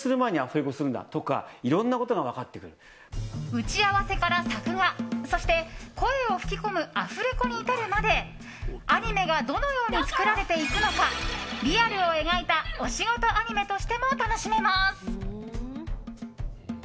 打ち合わせから作画そして、声を吹き込むアフレコに至るまで、アニメがどのように作られていくのかリアルを描いたお仕事アニメとしても楽しめます。